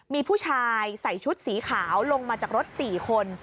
มีผู้ชายใส่ชุดสีขาวลงมาจากรถ๔คน